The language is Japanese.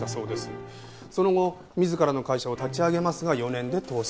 その後自らの会社を立ち上げますが４年で倒産。